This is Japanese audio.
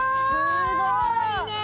すごいね！